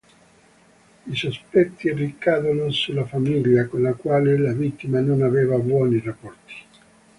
I sospetti ricadono sulla famiglia, con la quale la vittima non aveva buoni rapporti.